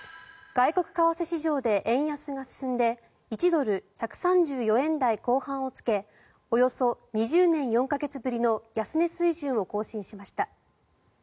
外国為替市場で円安が進んで１ドル＝１３４円台後半をつけおよそ２０年４か月ぶりの安値水準を更新しました。